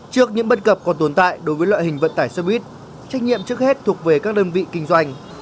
trước những bất cập còn tồn tại đối với loại hình vận tải xe buýt trách nhiệm trước hết thuộc về các đơn vị kinh doanh